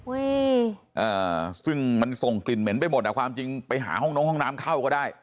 วีซึ่งมันส่งกลิ่นเหม็นไปหมดความจริงไปหาห้องน้ำเข้าก็ได้